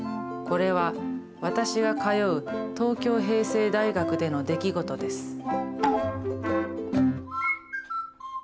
これは私が通う東京平成大学での出来事です。